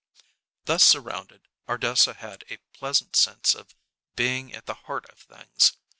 Thus surrounded, Ardessa had a pleasant sense of being at the heart of things.